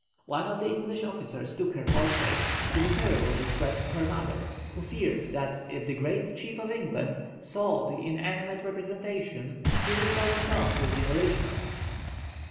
One of the English officers took her portrait, to the terrible distress of her mother, who feared that if the "great chief of England" saw the inanimate representation he would fall in love with the original.